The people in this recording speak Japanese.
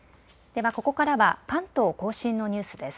では、ここからは関東甲信のニュースです。